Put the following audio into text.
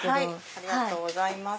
ありがとうございます。